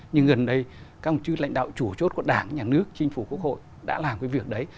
nhưng gần đây các đồng chí lãnh đạo chủ chốt của đảng nhà nước chính phủ quốc hội đã làm cái việc đấy